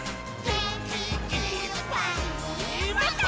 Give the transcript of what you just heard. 「げんきいっぱいもっと」